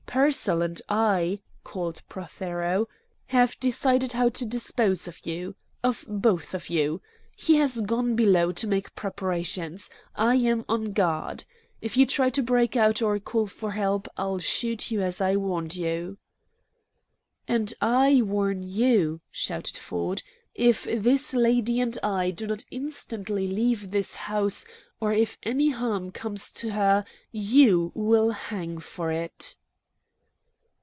"Pearsall and I," called Prothero, "have decided how to dispose of you of both of you. He has gone below to make preparations. I am on guard. If you try to break out or call for help, I'll shoot you as I warned you!" "And I warn you," shouted Ford, "if this lady and I do not instantly leave this house, or if any harm comes to her, you will hang for it!"